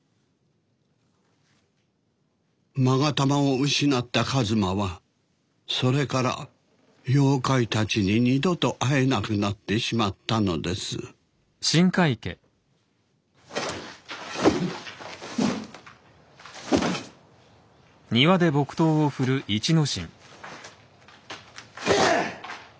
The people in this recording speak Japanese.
勾玉を失った一馬はそれから妖怪たちに二度と会えなくなってしまったのですでやあっ！